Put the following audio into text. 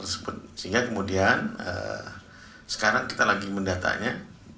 sehingga kemudian sekarang kita lagi mendatanya